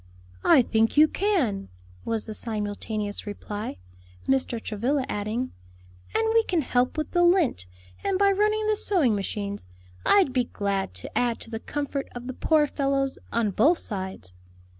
"I think you can," was the simultaneous reply; Mr. Travilla adding, "and we can help with the lint, and by running the sewing machines. I'd be glad to add to the comfort of the poor fellows on both sides."